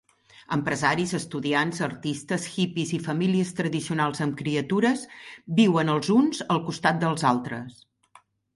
Empresaris, estudiants, artistes, hippies i famílies tradicionals amb criatures viuen els uns al costat dels altres.